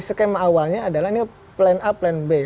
skema awalnya adalah ini plan a plan b